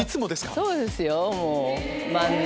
そうですよ万年。